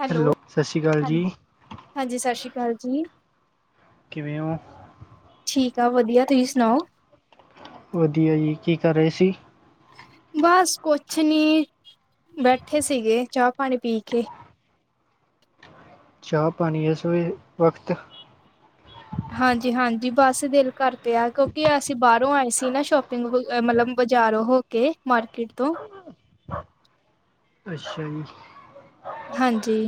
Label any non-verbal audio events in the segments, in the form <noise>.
Hello ਸਤਿ ਸ਼੍ਰੀ ਅਕਾਲ ਹਾਂ, ਜੀ ਹਾਂਜੀ, ਸਤਿ ਸ਼੍ਰੀ ਅਕਾਲ ਜੀ। ਕਿਵੇ ਉ। ਠੀਕ ਆ ਵਧੀਆ, ਤੁਸੀਂ ਸੁਣਾਓ। ਵਧੀਆ ਜੀ, ਕੀ ਕਰ ਰਹੇ ਸੀ? ਬਸ ਕੁਛ ਨੀ, ਬੈਠੇ ਸੀਗੇ, ਚਾਹ ਪਾਣੀ ਪੀ ਕੇ। ਚਾਹ ਪਾਣੀ ਇਸ ਵੀ ਵਕਤ? ਹਾਂਜੀ-ਹਾਂਜੀ ਬਸ ਦਿਲ ਕਰ ਪਿਆ। ਕਿਉਂਕਿ ਅਸੀਂ ਬਾਹਰੋਂ ਆਏ ਸੀ ਨਾ ਸ਼ੋਪਿੰਗ ਮਤਲਬ ਬਾਜ਼ਾਰ ਹੋ- ਕੇ ਮਾਰਕੀਟ ਤੋਂ। ਅੱਛਾ ਜੀ। ਹਾਂਜੀ।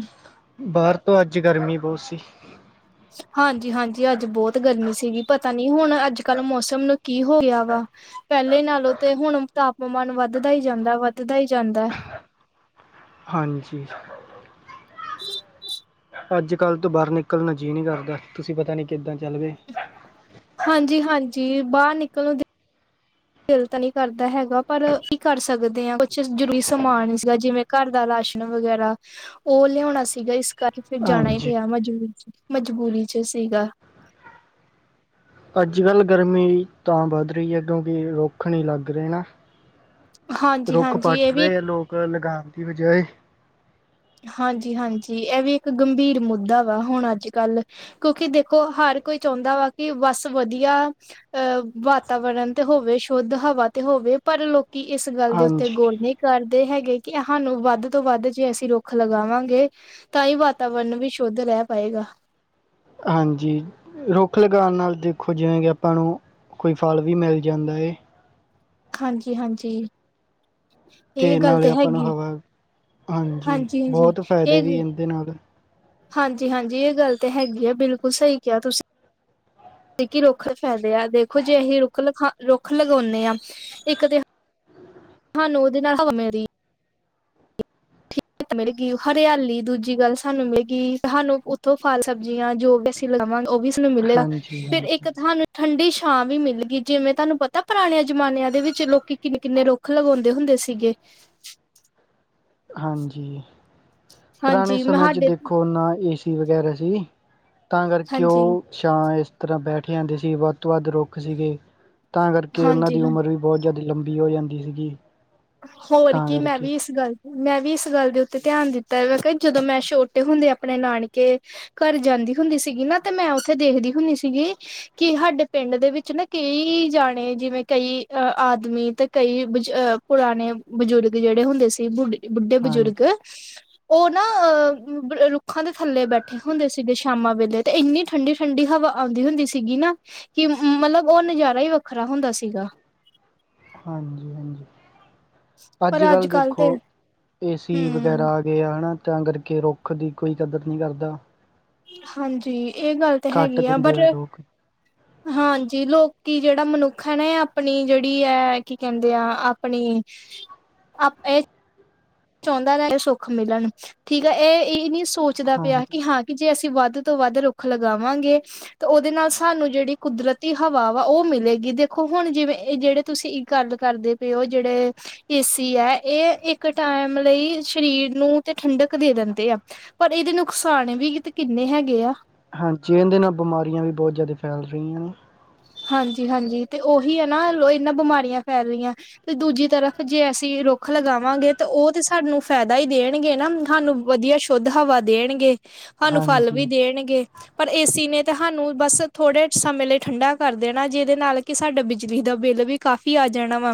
ਬਾਹਰ ਤੋਂ ਅੱਜ ਗਰਮੀ ਬੋਤ ਸੀ। ਹਾਂਜੀ- ਹਾਂਜੀ ਅੱਜ ਬੋਤ ਗਰਮੀ ਸੀਗੀ ਪਤਾ ਨੀ ਹੁਣ ਅੱਜ ਕੱਲ ਮੌਸਮ ਨੂੰ ਕੀ ਹੋ ਰਿਹਾ ਵਾ। ਪਹਿਲੇ ਨਾਲੋਂ ਤੇ ਹੁਣ ਤਾਪਮਾਨ ਵੱਧਦਾ ਹੀ ਜਾਂਦਾ ਵੱਧਦਾ ਹੀ ਜਾਂਦਾ ਐ। ਹਾਂਜੀ। ਅੱਜ ਕੱਲ ਤੋਂ ਬਾਹਰ ਨਿਕਲਣ ਨੂ ਜੀਅ ਨੀ ਕਰਦਾ ਤੁਸੀਂ ਪਤਾ ਨੀ ਕਿੱਦਾਂ ਚੱਲ ਗਏ। ਹਾਂਜੀ- ਹਾਂਜੀ ਬਾਹਰ ਨਿਕਲਣ- ਦਿਲ ਤਾਂ ਨਹੀਂ ਕਰਦਾ ਹੈਗਾ ਪਰ ਕੀ ਕਰ ਸਕਦੇ ਹਾਂ ਕੁਛ ਜਰੂਰੀ ਸਮਾਨ ਸੀਗਾ ਜਿਵੇਂ, ਘਰ ਦਾ ਰਾਸ਼ਨ ਵਗੈਰਾ ਉਹ ਲਿਆਉਣਾ ਸੀਗਾ ਇਸ ਕਰ, ਫੇਰ ਜਾਣਾ ਹੀ ਹਾਂਜੀ ਪਿਆ ਮਜਬੂਰੀ- ਮਜਬੂਰੀ ਚ ਸੀਗਾ। ਅੱਜ ਕੱਲ ਗਰਮੀ ਤਾਂ ਵੱਧ ਰਹੀ ਹੈ ਕਿਉਂਕਿ ਰੁੱਖ ਨਹੀਂ ਲੱਗ ਰਹੇ ਨੇ। ਹਾਂਜੀ ਰੁੱਖ ਹਾਂਜੀ ਇਹ ਪੱਟ ਵੀ ਰਹੇ ਆ ਲੋਕ ਲਗਾਉਣ ਦੀ ਬਜਾਏ। ਹਾਂਜੀ- ਹਾਂਜੀ ਇਹ ਵੀ ਇੱਕ ਗੰਭੀਰ ਮੁੱਦਾ ਵਾ ਹੁਣ ਅੱਜ ਕੱਲ। ਕਿਉਂਕਿ ਦੇਖੋ ਹਰ ਕੋਈ ਚਾਹੁੰਦਾ ਵਾ ਕਿ ਬਸ ਵਧੀਆ, ਅਹ ਵਾਤਾਵਰਨ ਤੇ ਹੋਵੇ, ਸ਼ੁੱਧ ਹਵਾ ਤੇ ਹੋਵੇ, ਪਰ ਲੋਕ- ਕੀ ਇਸ ਗੱਲ ਦੇ ਉੱਤੇ ਹਾਂਜੀ ਗੋਰ ਨਹੀਂ ਕਰਦੇ ਹੈਗੇ ਕਿ ਸਾਨੂੰ ਵੱਧ ਤੋਂ ਵੱਧ ਜੇ ਅਸੀਂ ਰੂ- ਰੁੱਖ ਲਗਾਵਾਂਗੇ ਤਾਂ ਹੀ ਵਾਤਾਵਰਨ ਵੀ ਸ਼ੁੱਧ ਰਹਿ ਪਾਏਗਾ। ਹਾਂਜੀ ਰੁੱਖ ਲਗਾਉਣ ਨਾਲ ਦੇਖੋ ਜਿਵੇਂ ਕਿ ਆਪਾਂ ਨੂੰ, ਕੋਈ ਫਲ ਵੀ ਮਿਲ ਜਾਂਦਾ ਏ। ਹਾਂਜੀ- ਹਾਂਜੀ ਇਹ ਅਤੇ ਗੱਲ ਨਾਲੇ ਤੇ ਆਪਾਂ ਨੂੰ ਹੈਗੀ। ਹਵਾ ਹਾਂਜੀ ਹਾਂਜੀ-ਹਾਂਜੀ ਬਹੋਤ ਫਾਇਦੇ ਵੀ ਇਹਦੇ ਨਾਲ। ਹਾਂਜੀ- ਹਾਂਜੀ ਇਹ ਗੱਲ ਤੇ ਹੈਗੀ ਆ ਬਿਲਕੁਲ ਸਹੀ ਕਿਹਾ ਤੁਸੀਂ। ਕਿ ਰੁੱਖ ਫਾਇਦੇ ਆ ਦੇਖੋ ਜੇ ਅਸੀਂ ਰੁੱਖ ਲਖਾ ਰੁੱਖ ਲਗਾਉਂਦੇ ਆ। ਇੱਕ ਤੇ ਸਾਨੂੰ ਉਹਦੇ ਨਾਲ ਹਵਾਂ - ਠੀਕ ਮਿਲੇਗੀ ਹਰਿਆਲੀ ਦੂਜੀ ਗੱਲ ਸਾਨੂੰ ਮਿਲੇਗੀ ਸਾਨੂੰ ਉਥੋਂ ਫਲ ਸਬਜ਼ੀਆਂ ਜੋ, ਲਗਾਵਾਂਗੇ ਉਹ ਵੀ ਸਾਨੂੰ ਮਿਲਿਆ ਹਾਂਜੀ ਫੇਰ ਹਾਂਜੀ ਇੱਕ ਤੁਹਾਨੂੰ, ਠੰਡੀ ਛਾਂ ਵੀ ਮਿਲ ਗਈ ਜਿਵੇਂ ਤੁਹਾਨੂੰ ਪਤਾ ਪੁਰਾਣੇ ਜਮਾਨਿਆਂ ਦੇ ਵਿੱਚ ਲੋਕੀ ਕਿੰਨੇ- ਕਿੰਨੇ ਰੂ- ਖ ਲਗਾਉਂਦੇ ਹੁੰਦੇ ਸੀਗੇ। ਹਾਂਜੀ ਪੁਰਾਣੇ ਹਾਂਜੀ ਮੈਂ ਸਮੇਆਂ ਚ ਸਾਡੇ ਦੇਖੋ ਨਾ ਏ ਸ, ਸੀ ਵਗੈਰਾ ਸੀ, ਤਾਂ ਕਰਕੇ ਉਹ- ਛਾਂ ਇਸ ਤਰਾਂ ਬੈਠੇ ਜਾਂਦੇ ਸੀ ਵੱਧ ਤੋਂ ਵੱਧ ਰੁੱਖ ਸੀਗੇ, ਤਾਂ ਕਰਕੇ ਉਹਨਾਂ ਹਾਂਜੀ-ਹਾਂਜੀ ਦੀ ਹਾਂ ਉਮਰ ਵੀ- ਬੋਤ ਜਿਆਦਾ ਲੰਬੀ ਹੋ ਜਾਂਦੀ ਸੀਗੀ। ਹੋਰ ਤਾਂ ਕੀ ਮੈਂ ਕਰਕੇ ਵੀ ਇਸ ਗੱਲ ਮੈਂ ਵੀ ਇਸ ਗੱਲ ਦੇ ਉੱਤੇ ਧਿਆਨ ਦਿੱਤਾ ਮੈਂ ਕਿਹਾ ਜਦੋਂ ਮੈਂ ਛੋਟੇ ਹੁੰਦੇ ਆਪਣੇ ਨਾਨਕੇ, ਘਰ ਜਾਂਦੀ ਹੁੰਦੀ ਸੀਗੀ ਨਾ ਤੇ ਮੈਂ ਉੱਥੇ ਦੇਖਦੀ ਹੁੰਦੀ ਸੀਗੀ। ਕਿ ਸਾਡੇ ਪਿੰਡ ਦੇ ਵਿੱਚ ਨਾ ਕਈ ਜਾਣੇ ਜਿਵੇਂ ਕਈ ਅ ਆਦਮੀ ਤੇ ਕਈ ਅ- ਪੁਰਾਣੇ ਬਜ਼ੁਰਗ ਜਿਹੜੇ ਹੁੰਦੇ ਸੀ ਬੁੱਢੇ- ਬੁੱਢੇ ਬਜ਼ੁਰਗ, <inaudible> ਉਹ ਨਾ ਅਹ ਰੁੱਖਾਂ ਦੇ ਥੱਲੇ ਬੈਠੇ ਹੁੰਦੇ ਸੀਗੇ ਸ਼ਾਮਾਂ ਵੇਲੇ ਤੇ ਇੰਨੀ ਠੰਡੀ। ਠੰਡੀ ਹਵਾ ਆਉਂਦੀ ਹੁੰਦੀ ਸੀਗੀ ਨਾ ਕਿ ਮਤਲਬ ਉਹ ਨਜ਼ਾਰਾ ਹੀ ਵੱਖਰਾ ਹੁੰਦਾ ਸੀਗਾ ਹਾਂਜੀ- ਹਾਂਜੀ ਅੱਜ -ਕੱਲ ਦੇਖੋ ਏਸੀ ਹਮ ਵਗੈਰਾ ਪਏ ਹਨਾ, ਤਾਂ ਕਰਕੇ ਰੁੱਖ ਦੀ ਕੋਈ ਕਦਰ ਨਹੀਂ ਕਰਦਾ ਹਾਂਜੀ ਇਹ ਗੱਲ ਤਾਂ ਕਟ ਹੈਗੀ ਦਿੰਦੇ ਬਟ ਆ ਲੋਕ ਹਾਂਜੀ ਲੋਕੀ ਜਿਹੜਾ ਮਨੁੱਖ ਹੈ ਨਾ ਇਹ ਆਪਣੀ ਜੇਹੜੀ ਹੈ ਕੀ ਕਹਿੰਦੇ ਆ ਆਪਣੀ ਅਪ ਇਹ ਚਾਹੁੰਦਾ ਰ ਸੁੱਖ ਮਿਲਣ, ਠੀਕ ਹੈ ਇਹ ਇਹ ਨੀ ਸੋਚਦਾ ਪਿਆ ਹਾਂਜੀ ਕਿ ਹਾਂ ਕਿ ਜੇ ਅਸੀਂ ਵੱਧ ਤੋਂ ਵੱਧ ਰੁੱਖ ਲਗਾਵਾਂਗੇ ਤੇ ਉਹਦੇ ਨਾਲ ਸਾਨੂੰ ਜਿਹੜੀ ਕੁਦਰਤੀ ਹਵਾ ਵਾ ਉਹ ਮਿਲੇਗੀ ਦੇਖੋ ਹੁਣ ਜਿਵੇਂ ਇਹ ਜੇਹੜੇ ਤੁਸੀਂ ਗੱਲ ਕਰਦੇ ਪਏ ਉਹ ਜੇੜੇ ਏਸੀ ਹੈ ਇਹ ਇੱਕ ਇਕ ਟਾਈਮ ਲਈ ਸਰੀਰ ਨੂੰ ਤੇ ਠੰਡਕ ਦੇ ਦਿੰਦੇ ਆ। ਪਰ ਇਹਦੇ ਨੁਕਸਾਨ ਵੀ ਤੇ ਕਿੰਨੇ ਹੈਗੇ ਆ। ਹਾਂਜੀ ਇਹੰਦੇ ਦੇ ਨਾਲ ਬਿਮਾਰੀਆਂ ਵੀ ਬਹੁਤ ਜ਼ਿਆਦਾ ਫੈਲ ਰਹੀਆਂ ਹਾਂਜੀ- ਹਾਂਜੀ ਤੇ ਉਹੀ ਹੈ ਨਾ ਇਹਨਾਂ ਬਿਮਾਰੀਆਂ ਫੈਲ ਰਹੀਆਂ। ਤੇ ਦੂਜੀ ਤਰਫ਼ ਜੇ ਅਸੀਂ ਰੁੱਖ ਲਗਾਵਾਂਗੇ ਤੇ ਉਹ ਤੇ ਸਾਨੂੰ ਫਾਇਦਾ ਹੀ ਦੇਣਗੇ ਨਾ ਸਾਨੂੰ। ਵਧੀਆ ਸ਼ੁੱਧ ਹਵਾ ਦੇਣਗੇ। ਹਾਨੂੰ ਫਲ ਹਾਂਜੀ, ਵੀ ਦੇਣਗੇ, ਪਰ ਏਸੀ ਨੇ ਤਾਂ ਹਾਨੂੰ ਬਸ ਥੋੜੇ ਸਮੇਂ ਲਈ ਠੰਡਾ। ਕਰ ਦੇਣਾ ਜਿਹਦੇ ਨਾਲ ਕਿ ਸਾਡਾ ਬਿਜਲੀ ਦਾ ਬਿੱਲ ਵੀ ਕਾਫ਼ੀ ਆ ਜਾਣਾ ਵਾ।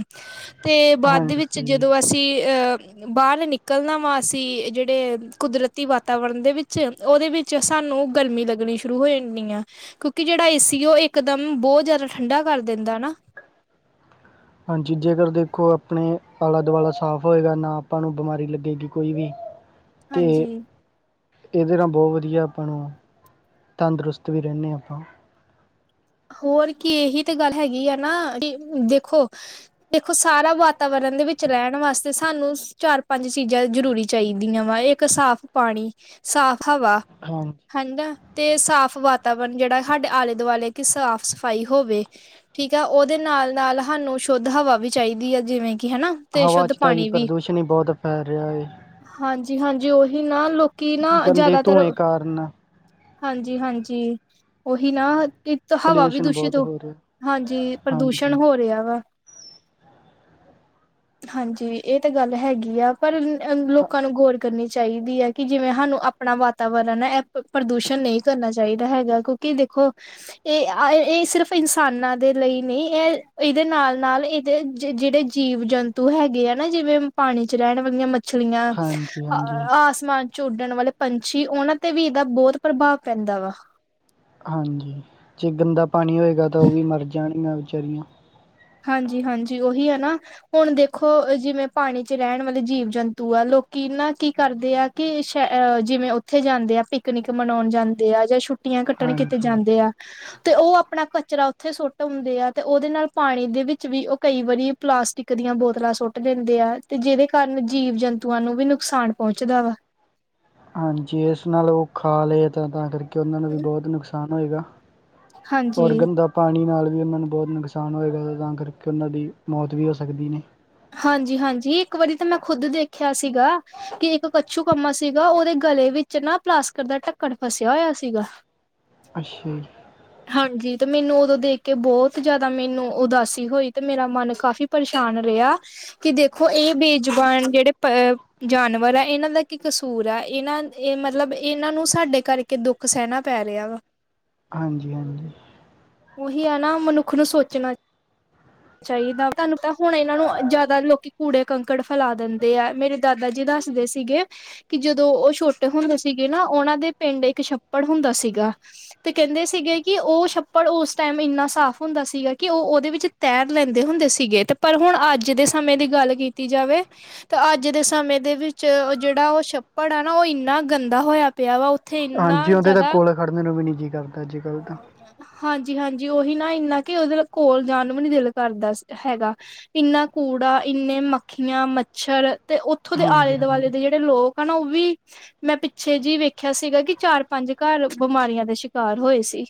ਤੇ ਬਾਦ ਦੇ ਵਿੱਚ ਹਾਂਜੀ, ਜਦੋਂ ਅਸੀਂ ਅਹ। ਬਾਹਰ ਨਿਕਲਣਾ ਵਾ ਅਸੀਂ ਜੇੜੇ ਕੁਦਰਤੀ ਵਾਤਾਵਰਨ ਦੇ ਵਿੱਚ, ਉਹਦੇ ਵਿੱਚ। 'ਚ ਸਾਨੂੰ ਗਰਮੀ ਲੱਗਣੀ ਸ਼ੁਰੂ ਹੋ ਜਾਣੀ ਆ, ਕਿਉਂਕਿ ਜੇੜਾ ਏ ਸੀ ਉਹ ਇੱਕ ਇਕਦਮ ਬਹੁਤ ਜਿਆਦਾ ਠੰਡਾ ਕਰ ਦਿੰਦਾ ਨਾ। ਹਾਂਜੀ ਜੇਕਰ ਦੇਖੋ ਆਪਣੇ ਆਲਾ ਦੁਆਲਾ ਸਾਫ ਹੋਏਗਾ ਨਾ ਆਪਾਂ ਨੂੰ ਬਿਮਾਰੀ ਲੱਗੇਗੀ ਕੋਈ ਵੀ। ਤੇ ਹਾਂਜੀ। ਇਹਦੇ ਨਾਲ ਬਹੁਤ ਵਧੀਆ ਆਪਾਂ ਨੂੰ, ਤੰਦਰੁਸਤ ਵੀ ਰਹਿੰਦੇ ਆਂ ਆਪਾਂ। ਹੋਰ ਕੀ, ਇਹੀ ਤੇ ਗੱਲ ਹੈਗੀ ਆ ਨਾ ਅ ਦੇਖੋ। ਦੇਖੋ ਸਾਰਾ ਵਾਤਾਵਰਨ ਦੇ ਵਿੱਚ ਰਹਿਣ ਵਾਸਤੇ ਸਾਨੂੰ ਸ ਚਾਰ- ਪੰਜ ਚੀਜ਼ਾਂ ਜ਼ਰੂਰੀ ਚਾਹੀਦੀਆਂ ਵਾ ਇੱਕ ਸਾਫ ਪਾਣੀ, ਸਾਫ ਹਵਾ ਹਾਂ ਹੰਗਾ, ਤੇ ਸਾਫ ਵਾਤਾਵਰਨ ਜਿਹੜਾ ਸਾਡੇ ਆਲੇ ਦੁਆਲੇ ਕਿ ਸਾਫ ਸਫਾਈ ਹੋਵੇ। ਠੀਕ ਹੈ ਉਹਦੇ ਨਾਲ -ਨਾਲ ਹਾਨੂੰ ਸ਼ੁੱਧ ਹਵਾ ਵੀ ਚਾਹੀਦੀ ਹੈ ਜਿਵੇਂ ਕਿ ਹਨਾ। ਤੇ ਹਵਾ ਸ਼ੁੱਧ 'ਚ ਤਾਂ ਜੀ ਪ੍ਰਦੂਸ਼ਣ ਹੀ ਬਹੁਤ ਫੈਲ ਰਿਹਾ ਏ ਹਾਂਜੀ- ਹਾਂਜੀ ਉਹੀ ਨਾ ਲੋਕੀ ਨਾ ਗੰਦੇ ਜਿਆਦਾਤਰ ਧੂੰਏ ਕਾਰਨ ਹਾਂਜੀ- ਹਾਂਜੀ, ਉਹੀ ਨਾ। ਇਕ ਹਵਾ ਵੀ ਪੋਲਿਊਸ਼ਨ ਦੂਸ਼ਿਤ ਬਹੁਤ ਹੋ, ਰਿਹਾ ਹਾਂਜੀ ਪ੍ਰਦੂਸ਼ਣ ਹਾਂਜੀ। ਹੋ ਰਿਹਾ ਵਾ। ਹਾਂਜੀ ਇਹ ਤੇ ਗੱਲ ਹੈਗੀ ਆ, ਪਰ ਹ ਲੋਕਾਂ ਨੂੰ ਗੋਰ ਕਰਨੀ ਚਾਹੀਦੀ ਐ ਕਿ ਜਿਵੇਂ ਸਾਨੂੰ ਆਪਣਾ ਵਾਤਾਵਰਨ ਐਹ ਪ੍ਰਦੂਸ਼ਣ ਨਹੀਂ ਕਰਨਾ ਚਾਹੀਦਾ ਹੈਗਾ ਕਿਉਂ ਕੀ ਦੇਖੋ <inaudible> ਇਹ ਅਹ ਸਿਰਫ ਇਨਸਾਨਾਂ ਦੇ ਲਈ ਨਹੀਂ, ਇਹ ਇਹਦੇ ਨਾਲ ਨਾਲ ਇਹਦੇ ਜੇੜੇ ਜੀਵ ਜੰਤੂ ਤੂੰ ਹੈਗੇ ਆ ਨਾ ਜਿਵੇਂ ਪਾਣੀ 'ਚ ਰਹਿਣ ਵਾਲੀਆਂ ਮੱਛਲੀਆਂ, ਹਾਂਜੀ, ਅ ਹਾਂਜੀ, ਆਸ ਸਮਾਜ 'ਚ ਉੱਡਣ ਵਾਲੇ ਪੰਛੀ, ਉਹਨਾਂ ਤੇ ਵੀ ਇਹਦਾ ਬਹੁਤ ਪ੍ਰਭਾਵ ਪੈਂਦਾ ਵਾ। ਹਾਂਜੀ ਜੇ ਗੰਦਾ ਪਾਣੀ ਹੋਏਗਾ ਤਾਂ ਉਹ ਵੀ ਮਰ ਜਾਣਗੀਆਂ ਵਿਚਾਰੀਆਂ। ਹਾਂਜੀ- ਹਾਂਜੀ ਉਹੀ ਹੈ ਨਾ। ਹੁਣ ਦੇਖੋ ਜਿਵੇਂ, ਪਾਣੀ 'ਚ ਰਹਿਣ ਵਾਲੇ ਜੀਵ-ਜੰਤੂ ਆ। ਲੋਕੀ ਨਾ ਕੀ ਕਰਦੇ ਆ ਕਿ ਸ਼ ਜਿਵੇਂ, ਉੱਥੇ ਜਾਂਦੇ ਆ। ਪਿਕਨਿਕ ਮਨਾਉਂਣ ਜਾਂਦੇ ਆ। ਜਾਂ ਛੁੱ ਟੀਆਂ ਕੱਟਣ ਕੀਤੇ ਹਾਂਜੀ। ਜਾਂਦੇ ਆ। ਤੇ ਉਹ ਆਪਣਾ ਕਚਰਾ ਉੱਥੇ ਸੁੱਟ ਆਉਂਦੇ ਆ। ਤੇ ਉਹਦੇ ਨਾਲ ਪਾਣੀ ਦੇ ਵਿੱਚ ਵੀ ਉਹ ਕਈ ਵਾਰੀ ਪਲਾਸਟਿਕ ਦੀਆਂ ਬੋਤਲਾਂ ਸੁੱਟ ਦੇਂਦੇ ਆ। ਤੇ ਜਿਹਦੇ ਕਾਰਨ ਜੀਵ-ਜੰਤੂਆਂ ਨੂੰ ਵੀ ਨੁਕਸਾਨ ਪਹੁੰਚਦਾ ਵਾ। ਹਾਂਜੀ। ਇਸ ਨਾਲ ਉਹ ਖਾ ਲਏ ਤਾਂ-ਤਾਂ ਕਰਕੇ ਉਹਨਾਂ ਨੂੰ ਵੀ ਬਹੁਤ ਨੁਕਸਾਨ ਹੋਏਗਾ। ਹਾਂਜੀ ਔਰ ਗੰਦਾ ਪਾਣੀ ਨਾਲ ਵੀ ਉਹਨਾਂ ਨੂੰ ਬਹੁਤ ਨੁਕਸਾਨ ਹੋਏਗਾ। ਤਾਂ ਕਰਕੇ ਉਹਨਾਂ ਦੀ ਮੌਤ ਵੀ ਹੋ ਸਕਦੀ ਨੇ। ਹਾਂਜੀ-ਹਾਂਜੀ। ਇੱਕ ਵਾਰੀ ਤਾਂ ਮੈਂ ਖੁੱਦ ਦੇਖਿਆ ਸੀਗਾ। ਕਿ ਇੱਕ ਕੱਛੂ-ਕੰਮਾ ਸੀਗਾ। ਉਹਦੇ ਗਲੇ ਵਿੱਚ ਨਾ ਪਲਾਸਕਟ ਦਾ ਢੱਕਣ ਫਸਿਆ ਹੋਇਆ ਸੀਗਾ। <inaudible> ਅੱਛਾ। ਹਾਂਜੀ ਤੇ ਮੈਨੂੰ ਉਦੋਂ ਦੇਖ ਕੇ ਬਹੁਤ ਜ਼ਿਆਦਾ, ਮੈਨੂੰ ਉਦਾਸੀ ਹੋਈ। ਤੇ ਮੇਰਾ ਮਨ ਕਾਫ਼ੀ ਪਰੇਸ਼ਾਨ ਰਿਹਾ। ਕਿ ਦੇਖੋ ਇਹ ਬੇਜ਼ਬਾਨ ਜਿਹੜੇ ਪ ਜਾਨਵਰ ਐ। ਇਹਨਾਂ ਦਾ ਕੀ ਕਸੂਰ ਐ। ਇਹਨਾਂ ਇਹ ਮਤਲਬ, ਇਹਨਾਂ ਨੂੰ ਸਾਡੇ ਕਰਕੇ ਦੁੱਖ ਸਹਿਣਾ ਪੈ ਰਿਹਾ ਵਾ। ਹਾਂਜੀ-ਹਾਂਜੀ। ਉਹੀ ਐ ਨਾ। ਮਨੁੱਖ ਨੂੰ ਸੋਚਣਾ ਚਾਹੀਦਾ। ਤੁਹਾਨੂੰ ਪਤਾ ਹੁਣ ਇਹਨਾਂ ਨੂੰ ਜ਼ਿਆਦਾ ਲੋਕੀ ਕੂੜੇ-ਕੰਕੜ ਫੈਲਾ ਦਿੰਦੇ ਆ। ਮੇਰੇ ਦਾਦਾ ਜੀ ਦੱਸਦੇ ਸੀਗੇ ਕਿ ਜਦੋਂ ਉਹ ਛੋਟੇ ਹੁੰਦੇ ਸੀਗੇ ਨਾ। ਉਹਨਾਂ ਦੇ ਪਿੰਡ ਇੱਕ ਛੱਪੜ ਹੁੰਦਾ ਸੀਗਾ। ਤੇ ਕਹਿੰਦੇ ਸੀਗੇ, ਕਿ ਉਹ ਛੱਪੜ ਉਸ ਟਾਈਮ ਇੰਨਾ ਸਾਫ਼ ਹੁੰਦਾ ਸੀਗਾ, ਕਿ ਉਹ-ਉਹਦੇ ਵਿੱਚ ਤੈਰ ਲੈਂਦੇ ਹੁੰਦੇ ਸੀਗੇ। ਤੇ ਪਰ ਹੁਣ ਅੱਜ ਦੇ ਸਮੇਂ ਦੀ ਗੱਲ ਕੀਤੀ ਜਾਵੇ ਤੇ ਅੱਜ ਦੇ ਸਮੇਂ ਦੇ ਵਿੱਚ ਓ ਜਿਹੜਾ ਉਹ ਛੱਪੜ ਆ ਨਾ। ਉਹ ਇੰਨਾ ਗੰਦਾ ਹੋਇਆ ਪਿਆ ਵਾ ਉੱਥੇ ਇੰਨਾ ਜ਼ਿਆਦਾ ਖੜਨੇ ਨੂੰ ਵੀ ਨਹੀਂ ਜੀਅ ਕਰਦਾ ਅੱਜ-ਕੱਲ੍ਹ ਤਾਂ। ਹਾਂਜੀ-ਹਾਂਜੀ ਉਹੀ ਨਾ। ਇੰਨਾ ਕਿ ਉਹਦੇ ਕੋਲ਼ ਜਾਣ ਨੂੰ ਵੀ ਦਿਲ ਕਰਦਾ ਸ ਹੈਗਾ। ਇੰਨਾ ਕੂੜਾ, ਇੰਨੇ ਮੱਖੀਆਂ, ਮੱਛਰ ਤੇ ਉੱਥੋਂ ਦੇ ਹਾਂਜੀ ਆਲੇ-ਦੁਆਲੇ ਦੇ ਹਾਂਜੀ ਜਿਹੜੇ ਜਿਹੜੇ ਲੋਕ ਆ ਨਾ, ਉਹ ਵੀ ਮੈਂ ਪਿੱਛੇ ਜੀ ਵੇਖਿਆ ਸੀਗਾ, ਕਿ ਚਾਰ-ਪੰਜ ਘਰ ਬਿਮਾਰੀਆਂ ਦੇ ਸ਼ਿਕਾਰ ਹੋਏ ਸੀ।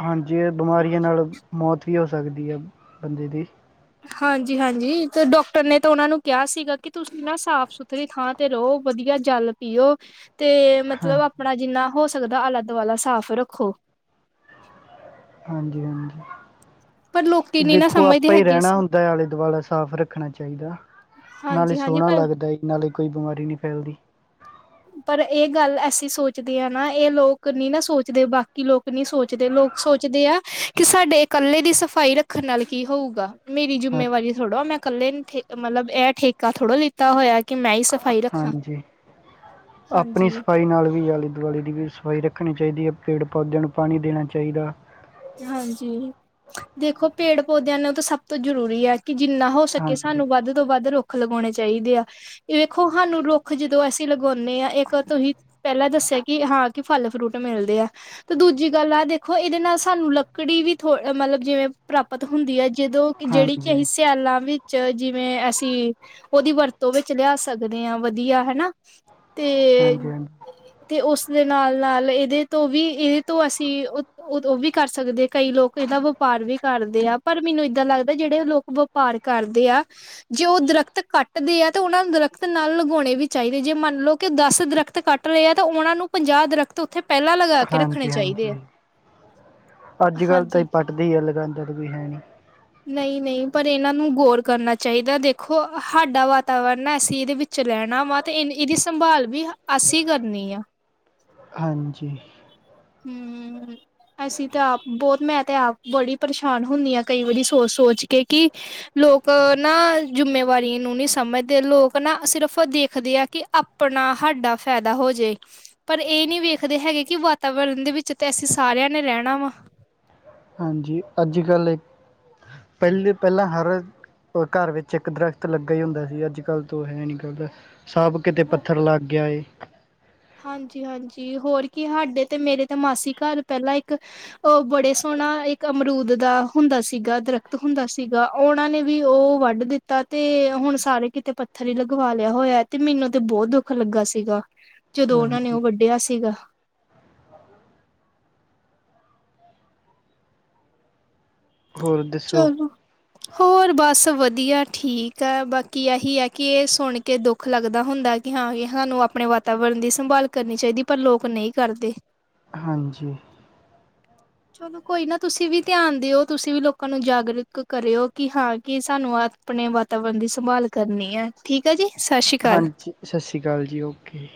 ਹਾਂਜੀ। ਐਹ ਬਿਮਾਰੀਆਂ ਨਾਲ ਮੌਤ ਵੀ ਹੋ ਸਕਦੀ ਐ, ਬੰਦੇ ਦੀ। ਹਾਂਜੀ-ਹਾਂਜੀ ਤੇ ਡੋਕਟਰ ਨੇ ਤਾਂ ਉਹਨਾਂ ਨੂੰ ਕਿਹਾ ਸੀਗਾ ਕਿ ਤੁਸੀਂ ਨਾ ਸਾਫ਼ ਸੁਥਰੀ ਥਾਂ ਤੇ ਰਹੋ। ਵਧੀਆ ਜਲ ਪੀਓ ਤੇ ਹਾਂ ਮਤਲਬ ਆਪਣਾ ਜਿੰਨਾ ਹੋ ਸਕਦਾ, ਆਲਾ-ਦੁਆਲਾ ਸਾਫ਼ ਰੱਖੋ। ਪਰ ਲੋਕੀ ਹਾਂਜੀ-ਹਾਂਜੀ। ਨੀ ਨਾ ਦੇਖੋ ਸਮਝਦੇ ਆਪਾਂ ਈ ਹੈਗੇ ਰਹਿਣਾ ਸੀ ਹੁੰਦਾ, ਆਲ਼ੇ-ਦੁਆਲਾ ਸਾਫ਼ ਰ ਰੱਖਣਾ ਚਾਹੀਦਾ। ਨਾਲੇ ਹਾਂਜੀ-ਹਾਂਜੀ ਸੋਹਣਾ ਪਰ ਲੱਗਦਾ। ਨਾਲੇ ਕੋਈ ਬਿਮਾਰੀ ਨਹੀਂ ਫ਼ੈਲਦੀ। ਪਰ ਇਹ ਗੱਲ ਅਸੀਂ ਸੋਚਦੇ ਆ ਨਾ। ਇਹ ਲੋਕ ਨੀ ਨਾ ਸੋਚਦੇ। ਬਾਕੀ ਲੋਕ ਨੀ ਸੋਚਦੇ। ਲੋਕ ਸੋਚਦੇ ਆ, ਕਿ ਸਾਡੇ ਇਕੱਲੇ ਦੀ ਸਫ਼ਾਈ ਰੱਖਣ ਨਾਲ ਕੀ ਹੋਊਗਾ। ਮੇਰੀ ਹਾਂ ਜ਼ਿਮੇਵਾਰੀ ਥੋੜ੍ਹਾ। ਮੈਂ ਕੱਲੇ ਨੇ ਠੇ, ਮਲਬ ਇਹ ਠੇਕਾ ਥੋੜ੍ਹਾ ਲੀ ਤਾ ਹੋਇਆ ਕਿ ਮੈਂ ਈ ਸਫ਼ਾਈ ਰੱਖਾਂ। ਹਾਂਜੀ ਆਪਣੀ ਹਾਂਜੀ ਸਫ਼ਾਈ ਨਾਲ ਵੀ ਗਲ਼ੀ ਦੀ ਵੀ ਸਫ਼ਾਈ ਰੱਖਣੀ ਚਾਹੀਦੀ ਐ। ਪੇੜ-ਪੌਦਿਆਂ ਨੂੰ ਪਾਣੀ ਦੇਣਾ ਚਾਹੀਦਾ। ਹਾਂਜੀ। ਦੇਖੋ, ਪੇੜ-ਪੌਦਿਆਂ ਨੂੰ ਤਾਂ ਸਭ ਤੋਂ ਜ਼ਰੂਰੀ ਐ। ਕਿ ਜਿੰਨਾ ਹੋ ਸਕੇ, ਹਾਂਜੀ, ਸਾਨੂੰ ਵੱਧ ਤੋਂ ਵੱਧ ਰੁੱਖ ਲਗਾਉਣੇ ਚਾਹੀਦੇ ਆ। ਵੇਖੋ ਹਾਨੂੰ ਰੁੱਖ ਜਦੋਂ ਅਸੀਂ ਲਗਾਉਂਨੇ ਆ। ਇੱਕ ਤੁਹੀਂ ਪਹਿਲਾਂ ਦੱਸਿਆ ਕਿ ਹਾਂ, ਕਿ ਫ਼ਲ-ਫਰੂਟ ਮਿਲਦੇ ਆ। ਤੇ ਦੂਜੀ ਗੱਲ ਆ ਦੇਖੋ, ਇਹਦੇ ਨਾਲ ਸਾਨੂੰ ਲੱਕੜੀ ਵੀ ਥੋ ਮਤਲਬ ਜਿਵੇਂ ਪ੍ਰਾਪਤ ਹੁੰਦੀ ਹੈ। ਜਦੋਂ ਕਿ ਜਿਹੜੀ ਕਿ ਹਾਂਜੀ, ਅਸੀਂ ਸਿਆਲਾਂ ਵਿੱਚ, ਜਿਵੇਂ ਅਸੀਂ ਉਹਦੀ ਵਰਤੋਂ ਵਿੱਚ ਲਿਆ ਸਕਦੇ ਹਾਂ ਵਧੀਆ ਹਨਾ। ਤੇ। ਹਾਂਜੀ-ਹਾਂਜੀ, ਤੇ ਉਸਦੇ ਨਾਲ- ਨਾਲ ਇਹਦੇ ਤੋਂ ਵੀ ਇਹਦੇ ਤੋਂ ਅਸੀਂ ਉਹ- ਉਹ ਦ ਵੀ, ਕਰ ਸਕਦੇ ਆ, ਕਈ ਲੋਕ ਇਹਦਾ ਵਪਾਰ ਵੀ ਕਰਦੇ ਆ। ਪਰ ਮੈਨੂੰ ਇਏਦਾਂ ਲੱਗਦਾ ਜਿਹੜੇ ਲੋਕ ਵਪਾਰ ਕਰਦੇ ਆ। ਜੇ ਉਹ ਦਰਖਤ ਕੱਟਦੇ ਆ ਤੇ ਉਹਨਾਂ ਨੂੰ ਦਰਖਤ ਨਾਲ ਲਗਾਉਣੇ ਵੀ ਚਾਹੀਦੇ ਜੇ ਮੰਨ ਲਓ ਕਿ ਦਸ ਦਰਖਤ ਕੱਟ- ਰੇ ਆ ਤਾਂ ਉਹਨਾ ਨੂੰ ਪੰਜਾਹ ਦਰਖ਼ਤ ਉੱਥੇ ਪਹਿਲਾਂ ਲਗਾ ਕੇ ਰੱਖਣੇ ਚਾਹੀਦੇ ਆ। ਅੱਜ ਕੱਲ ਤਾਂ ਹੀ ਹਾਂਜੀ ਪੱਟਦੀ ਆ ਲਗਾਦਾ ਤੇ ਕੋਈ ਹੈ ਨਹੀਂ। ਨਹੀਂ-ਨਹੀਂ ਪਰ ਇਹਨਾਂ ਨੂੰ ਗੋਰ ਕਰਨਾ ਚਾਹੀਦਾ ਦੇਖੋ ਸਾਡਾ ਵਾਤਾਵਰਨ ਹੈ ਅਸੀਂ ਇਹਦੇ ਵਿੱ- ਚ ਰੈਣਾ ਵਾ ਤੇ ਇਹ ਇਹਦੀ ਸੰਭਾਲ ਵੀ ਅਸੀਂ ਕਰਨੀ ਆ। ਹਾਂਜੀ। ਹੂੰ, ਹੂੰ, ਹੂੰ। ਅਸੀਂ ਤਾਂ ਆਪ ਬੋਤ ਮੈਂ ਤੇ ਆਪ ਬੜੀ ਪਰੇਸ਼ਾਨ ਹੁੰਦੀ ਹਾਂ ਕਈ ਵਾਰੀ ਸੋਚ- ਸੋਚ ਕੇ ਕਿ, ਲੋਕ ਨਾ ਜਿੰਮੇਵਾਰੀ ਨੂੰ ਨੀ ਸਮਝਦੇ, ਲੋ- ਕੇ ਸਿਰਫ ਦੇਖਦੇ ਆ ਕਿ ਆਪਣਾ ਸਾਡਾ ਫਾਇਦਾ ਹੋ ਜਾਏ। ਪਰ ਇਹ ਨੀ ਵੇਖਦੇ ਹੈਗੇ ਕਿ ਵਾਤਾਵਰਨ ਦੇ ਵਿੱਚ ਤੇ ਅਸੀਂ ਸਾਰਿਆਂ ਨੇ ਰਹਿਣਾ ਵਾ। ਹਾਂਜੀ, ਅੱਜ ਕੱਲ ਇੱਕ ਪਹਿਲੇ ਪਹਿਲਾਂ ਹਰ, ਘਰ ਵਿੱਚ ਇੱਕ ਦਰਖਤ ਲੱਗਾ ਹੀ ਹੁੰਦਾ ਸੀ। ਅੱਜ ਕੱਲ ਤ ਹੈ ਨੀ ਕਰਦਾ। ਸਭ ਕਿਤੇ ਹੋ ਪੱਥਰ ਲੱਗ ਗਿਆ ਏ। ਹਾਂਜੀ-ਹਾਂਜੀ ਹੋਰ ਕੀ ਸਾਡੇ ਤੇ ਮੇਰੇ ਤਾਂ ਮਾਸੀ ਘਰ ਪਹਿਲਾਂ ਇੱਕ, ਉਹ ਬੜੇ ਸੋਹਣਾ ਇੱਕ ਅਮਰੂਦ ਦਾ ਹੁੰਦਾ ਸੀਗਾ ਦਰਖਤ ਹੁੰਦਾ ਸੀਗਾ। ਉਹਨਾਂ ਨੇ ਵੀ ਉਹ ਵੱਢ ਦਿੱਤਾ ਤੇ ਹੁਣ ਸਾਰੇ ਕਿਤੇ ਪੱਥਰ ਹੀ ਲਗਵਾ ਲਿਆ ਹੋਇਆ ਏ। ਤੇ ਮੈਨੂੰ ਤੇ ਬੋਤ ਦੁੱਖ ਲੱਗਾ ਸੀਗਾ ਜਦੋਂ ਉਹਨਾਂ ਨੇ ਹਾਂਜੀ। ਉਹ ਵੱਢਿਆ ਸੀਗਾ। ਹੋਰ ਦੱਸੋ? ਚਲੋ ਹੋਰ ਬਸ ਵਧੀਆ ਠੀਕ ਹੈ ਬਾਕੀ ਇਹੀ ਹੈ ਕਿ ਇਹ ਸੁਣ ਕੇ ਦੁੱਖ, ਦੁੱਖ ਲੱਗਦਾ ਹੁੰਦਾ ਕਿ ਹਾਂ ਕਿ ਸਾਨੂੰ ਆਪਣੇ ਵਾਤਾਵਰਨ ਦੀ ਸੰਭਾਲ ਕਰਨੀ ਚਾਹੀਦੀ ਪਰ ਲੋਕ ਨਹੀਂ ਕਰਦੇ। ਹਾਂਜੀ। ਚਲੋ ਕੋਈ ਨਾ ਤੁਸੀਂ ਵੀ ਧਿਆਨ ਦਿਓ ਤੁਸੀਂ ਵੀ, ਲੋਕਾਂ ਨੂੰ ਜਾਗਰੂਕ ਕਰਿਓ ਕਿ ਹਾਂ ਕੀ ਸਾਨੂੰ ਆਪਣੇ ਵਾਤਾਵਰਨ ਦੀ ਸੰਭਾਲ ਕਰਨੀ ਹੈ। ਠੀਕ ਆ ਜੀ ਸਤਿ ਸ਼੍ਰੀ ਅਕਾਲ। ਹਾਂਜੀ ਸਤਿ ਸ਼੍ਰੀ ਅਕਾਲ ਜੀ ਓਕੇ।